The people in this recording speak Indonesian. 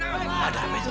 ada apa itu